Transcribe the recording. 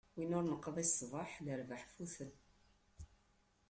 Win ur neqḍi ṣṣbeḥ, lerbaḥ futen.